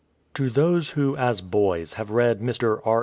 TO those who as boys have read Mr. R.